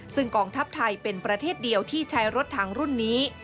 ซึ่งกองทัพไทยเป็นประเทศเดียวที่ใช้รถทางรุ่นนี้